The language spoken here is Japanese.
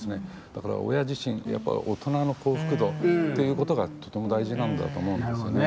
だから親自身大人の幸福度っていうことがとても大事なんだと思うんですよね。